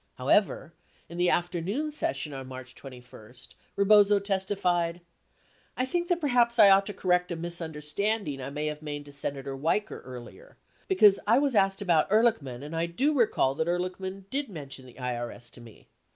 76 However, in the afternoon session on March 21, Rebozo testified: I think that perhaps I ought to correct a misunder standing I may have made to Senator Weicker earlier, be cause I was asked about Ehrlichman and I do recall that Ehrlichman did mention the IRS to me.